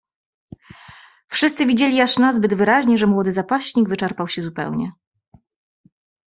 "Wszyscy widzieli aż nazbyt wyraźnie, że młody zapaśnik wyczerpał się zupełnie."